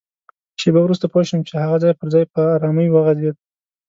شېبه وروسته پوه شوم چي هغه ځای پر ځای په ارامۍ وغځېد.